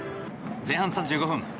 前半３５分。